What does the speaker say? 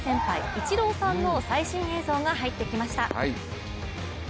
イチローさんの最新映像が入ってきました。